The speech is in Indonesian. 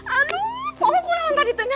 aduh pokoknya orang tadi tanya